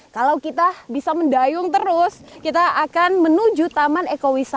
kalau kita bisa mendayung terus kita akan menuju taman ekowisata